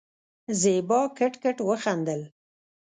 زېبا کټ کټ وخندل.